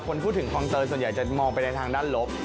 คนพูดถึงคลองเตยส่วนใหญ่จะมองไปในทางด้านลบ